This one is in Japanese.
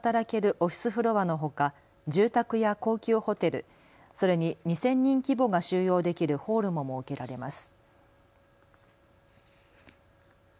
オフィスフロアのほか、住宅や高級ホテル、それに２０００人規模が収容できるホールも設けられます。